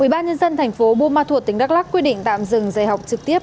ubnd tp bumathur tỉnh đắk lắc quyết định tạm dừng dạy học trực tiếp